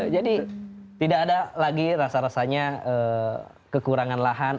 tidak ada lagi rasa rasanya kekurangan lahan